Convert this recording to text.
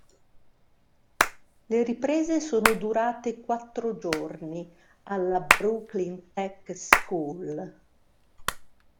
Le riprese sono durate quattro giorni, alla Brooklyn Tech School.